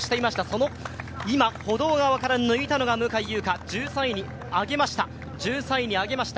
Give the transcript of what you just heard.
その今、歩道側から抜いたのが向井優香、１３位に上げました。